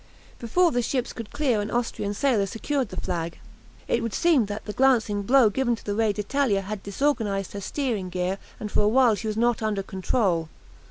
Before the ships could clear an Austrian sailor secured the flag. It would seem that the glancing blow given to the "Re d'Italia" had disorganized her steering gear, and for a while she was not under control.